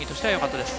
よかったですよ。